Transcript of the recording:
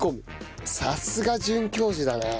さすが准教授だな。